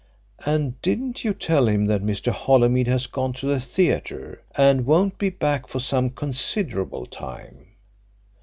"And didn't you tell him that Mr. Holymead has gone to the theatre and won't be back for some considerable time?"